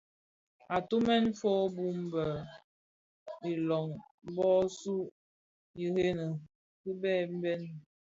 Atumèn fo bum be itöň bö sug ireňi beken bèn.